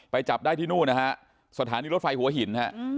จับได้ที่นู่นนะฮะสถานีรถไฟหัวหินฮะ